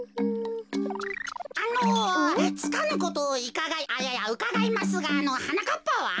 あのつかぬことをいかがいいやうかがいますがはなかっぱは？